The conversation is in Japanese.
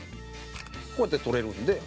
こうやって撮れるんで。